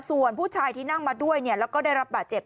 ส่วนผู้ชายที่นั่งมาด้วยแล้วก็ได้รับบาดเจ็บ